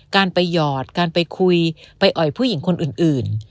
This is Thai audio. การไปหยอดการไปคุยไปอ่อยผู้หญิงคนอื่น